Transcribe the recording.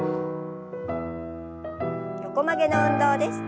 横曲げの運動です。